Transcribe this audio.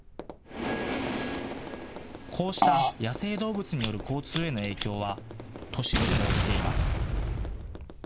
こうした野生動物による交通への影響は都市部でも起きています。